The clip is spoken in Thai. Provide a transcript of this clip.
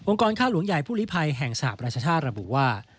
กรค่าหลวงใหญ่ผู้ลิภัยแห่งสหประชาชาติระบุว่า